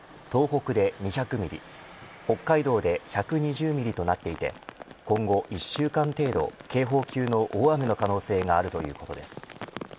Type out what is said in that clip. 北海道で１２０ミリとなっていて今後１週間程度、警報級の大雨の可能性があるということです。